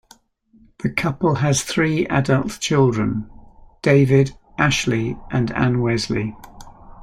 The couple has three adult children: David, Ashleigh, and Anne-Wesley.